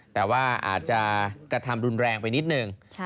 แต่ว่าอาจจะกระทำรุนแรงไปนิดนึง